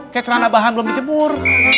kayak celana bahan belum di cebur